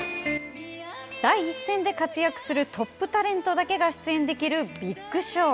第一線で活躍するトップタレントだけが出演できる「ビッグショー」。